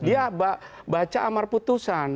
dia baca amar putusan